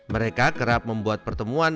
mereka kerap membuat pertemuan